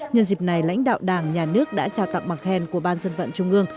nhân dịp này lãnh đạo đảng nhà nước đã trao tặng bằng khen của ban dân vận trung ương